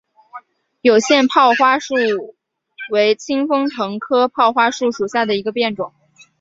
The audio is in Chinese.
有腺泡花树为清风藤科泡花树属下的一个变种。